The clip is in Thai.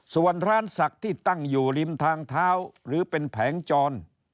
ส่วนร้านศักดิ์ที่ตั้งอยู่ริมทางเท้าหรือเป็นแผงจร